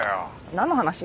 何の話？